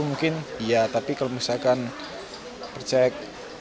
mungkin iya tapi kalau misalkan percek